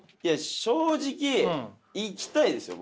正直行きたいですよ